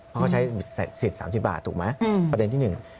เพราะเขาใช้สิทธิ์สามสิบบาทถูกไหมประเด็นที่หนึ่ง